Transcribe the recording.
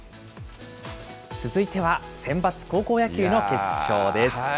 続いては、センバツ高校野球の決勝です。